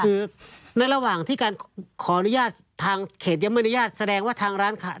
คือในระหว่างที่การขออนุญาตทางเขตยังไม่อนุญาตแสดงว่าทางร้านขาย